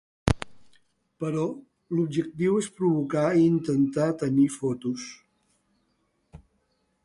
Però l’objectiu és provocar i intentar tenir fotos.